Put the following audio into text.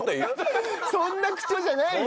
そんな口調じゃないよ！